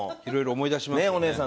いろいろ思い出しますよね。